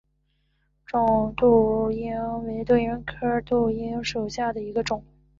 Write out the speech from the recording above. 肿柄杜英为杜英科杜英属下的一个种。